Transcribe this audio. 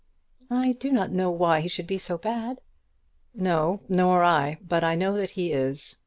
"I do not know why he should be so bad." "No, nor I. But I know that he is.